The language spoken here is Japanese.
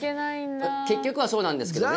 結局はそうなんですけどね。